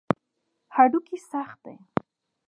هډوکي سخت دي.